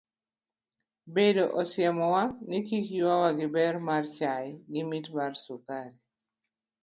Bedo osiemo wa ni kik yuawa gi ber mar chai gi mit mar sukari.